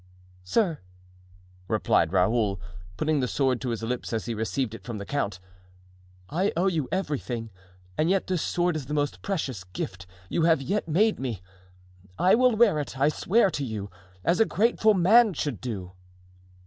"Sir," replied Raoul, putting the sword to his lips as he received it from the count, "I owe you everything and yet this sword is the most precious gift you have yet made me. I will wear it, I swear to you, as a grateful man should do."